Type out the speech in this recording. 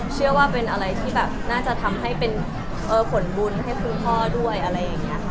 เชื่อว่าเป็นอะไรที่น่าจะทำให้เป็นผลบุญให้คุณพ่อด้วย